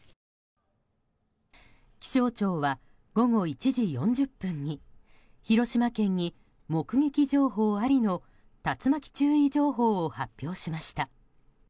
気象庁は午後１時４０分に広島県に目撃情報ありの竜巻注意情報を発表しました。